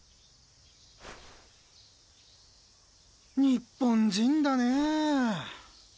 日本人だねェ。